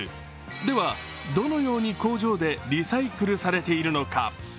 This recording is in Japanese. では、どのように工場でリサイクルされているのか。